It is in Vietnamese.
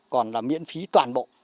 còn là miễn phí toàn bộ